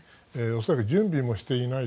恐らく準備もしていない